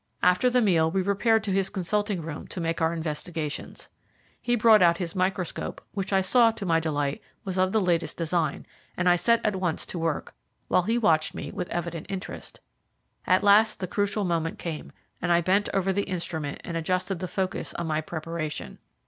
After the meal we repaired to his consulting room to make our investigations. He brought out his microscope, which I saw, to my delight, was of the latest design, and I set to work at once, while he watched me with evident interest. At last the crucial moment came, and I bent over the instrument and adjusted the focus on my preparation.